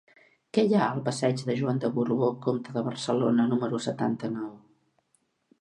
Què hi ha al passeig de Joan de Borbó Comte de Barcelona número setanta-nou?